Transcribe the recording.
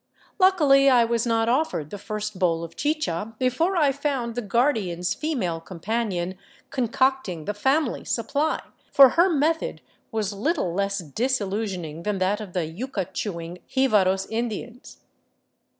Luckily I was not offered the first bowl of chicha before I found the guardian's female companion concocting the family supply, for her method was little less disillusion ing than that of the yuca chewing Jivaros Indians.